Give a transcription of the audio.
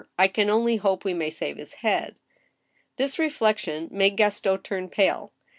I can only hope we may save his head." This reflection made Gaston turn pale.